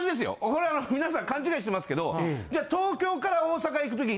これあの皆さん勘違いしてますけどじゃあ東京から大阪行くとき。